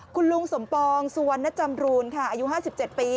คุณลุงสมปองสวรรณจำรูนค่ะอายุห้าสิบเจ็ดปี